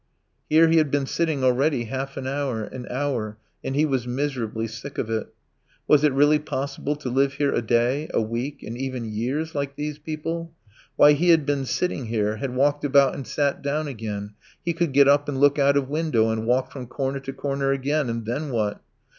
Here he had been sitting already half an hour, an hour, and he was miserably sick of it: was it really possible to live here a day, a week, and even years like these people? Why, he had been sitting here, had walked about and sat down again; he could get up and look out of window and walk from corner to corner again, and then what?